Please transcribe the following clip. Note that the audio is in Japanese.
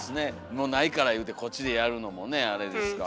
もうないからいうてこっちでやるのもねあれですから。